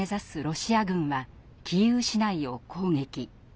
ロシア軍はキーウ市内を攻撃。